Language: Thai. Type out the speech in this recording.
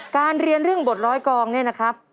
การเรียนเรื่องบทร้อยกองเนี่ยนะครับ